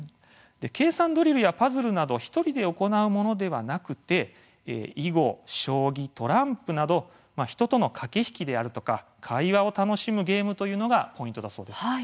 計算ドリルやパズルなど１人で行うものではなくて囲碁、将棋、トランプなど人との駆け引きであるとか会話を楽しむゲームというのがポイントです。